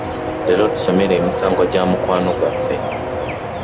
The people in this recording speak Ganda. Leero tusomere emisango gya mukwano gwaffe.